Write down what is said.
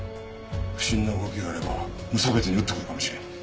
不審な動きがあれば無差別に撃ってくるかもしれん。